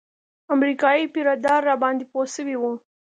امريکايي پيره دار راباندې پوه سوى و.